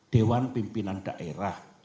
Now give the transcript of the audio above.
dewan pimpinan daerah